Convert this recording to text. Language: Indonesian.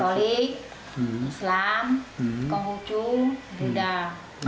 katolik islam kunghucu buddha